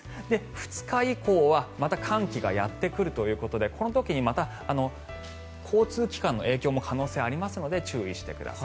２日以降はまた寒気がやってくるということでこの時にまた交通機関の影響も可能性がありますので注意してください。